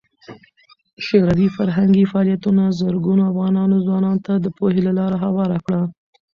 شوروي فرهنګي فعالیتونه زرګونو افغان ځوانانو ته د پوهې لار هواره کړه.